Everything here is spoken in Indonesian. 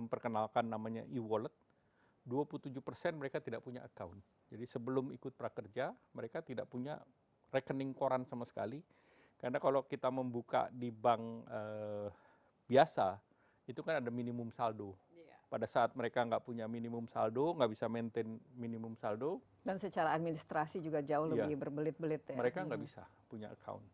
mereka tidak bisa punya account